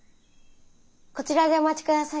こちらでお待ちください。